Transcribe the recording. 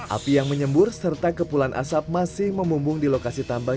api yang menyembur serta kepulan asap masih memumbung di lokasi tambang